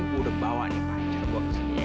gue udah bawa nih pacar gue kesini ya kan